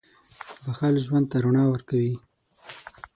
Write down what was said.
• بښل ژوند ته رڼا ورکوي.